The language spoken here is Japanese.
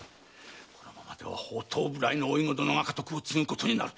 このままでは放蕩無頼の甥御殿が家督を継ぐことになる。